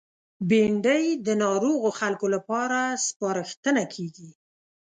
بېنډۍ د ناروغو خلکو لپاره سپارښتنه کېږي